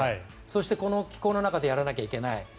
そしてこの気候の中でやらなきゃいけない。